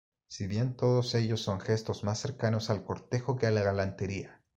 Si bien todos ellos son gestos más cercanos al cortejo que a la galantería.